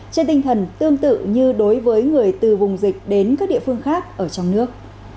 trên tinh thần tương tự như đối với người từ vùng dịch đến các địa phương khác ở trong nước